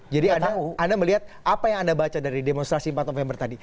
jadi anda melihat apa yang anda baca dari demonstrasi empat november tadi